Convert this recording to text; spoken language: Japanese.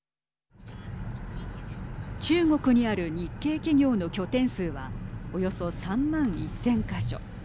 中国にある日系企業の拠点数はおよそ３万１０００か所。